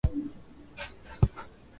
Andika pia hiyo.